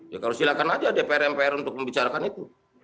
ya kalau silakan aja dpr mpr untuk membicarakan itu